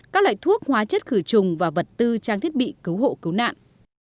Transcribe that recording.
các loại thuốc hóa chất khử trùng và vật tư trang thiết bị cứu hộ cứu nạn